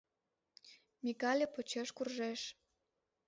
Микале почеш куржеш.